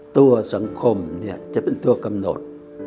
ตัวสังคมจะเป็นตัวกำหนด